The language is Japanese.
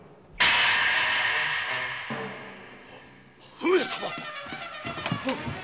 上様！